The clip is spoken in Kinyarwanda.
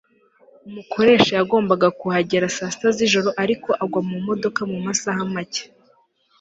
Umukoresha yagombaga kuhagera saa sita zijoro ariko agwa mumodoka mumasaha make